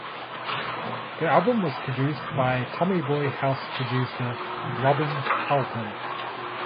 The album was produced by Tommy Boy house producer Robin Halpin.